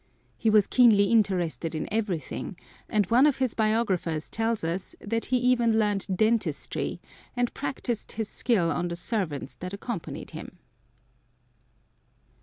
He was keenly interested in everything, and one of his biographers tells us that he even learned dentistry and practiced his skill on the servants that accompanied him.